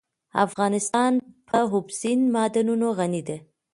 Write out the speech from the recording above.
افغانستان په اوبزین معدنونه غني دی.